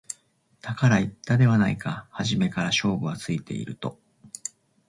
だから言ったではないか初めから勝負はついていると